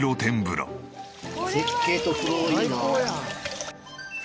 絶景と風呂いいな。